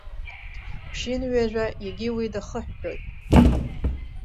Ԥшьынҩажәа, егьи уи дахыҳәҳәоит.